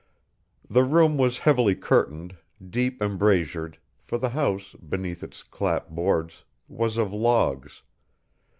The room was heavy curtained, deep embrasured, for the house, beneath its clap boards, was of logs.